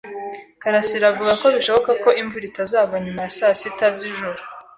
karasira avuga ko bishoboka ko imvura itazagwa nyuma ya saa sita z'ijoro.